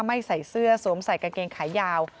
ไม่ใส่เสื้อสวมใส่กางเกงขายาว